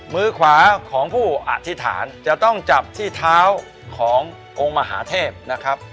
มือขวาขององค์มหาเทพนะครับ